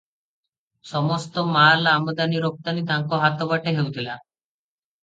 ସମସ୍ତ ମାଲ ଆମଦାନି ରପ୍ତାନି ତାଙ୍କ ହାତ ବାଟେ ହେଉଥିଲା ।